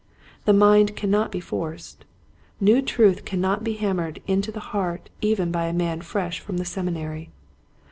The mind cannot be forced. New truth cannot be hammered into the heart even by a man fresh from the Seminary.